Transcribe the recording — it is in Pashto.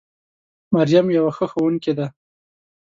مريم يوه ښه ښوونکې ده